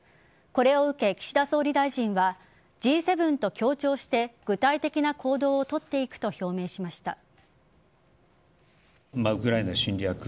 これを受け、岸田総理大臣はＧ７と協調して具体的な行動を取っていくと表明しました。